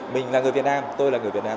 mình là người việt nam tôi là người việt nam